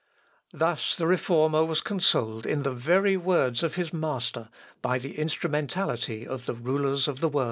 _" Thus, the Reformer was consoled in the very words of his Master, by the instrumentality of the rulers of the world.